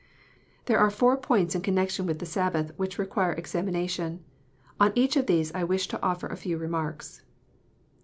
There are four points in connection with the Sabbath which require examination. On each of these I wish to offer a few remarks.